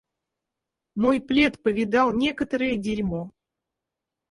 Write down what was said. Мой плед повидал некоторое дерьмо.